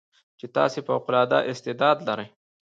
چې تاسې فوق العاده استعداد لرٸ